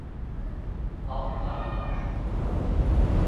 آب فرانما است.